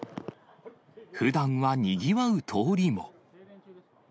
ふだんはにぎわう通りも。